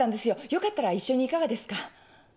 よかったら一緒にいかがですか？